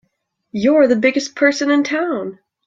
You're the biggest person in town!